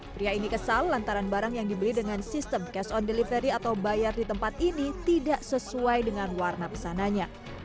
pria ini kesal lantaran barang yang dibeli dengan sistem cash on delivery atau bayar di tempat ini tidak sesuai dengan warna pesanannya